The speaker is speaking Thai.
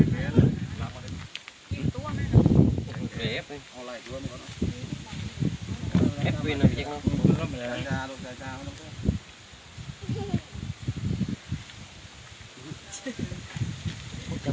ใช้ผ้าดีกว่าพันต้องสมบัติ